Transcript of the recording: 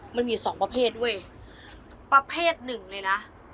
มันมีสองประเภทด้วยประเภทหนึ่งเลยนะ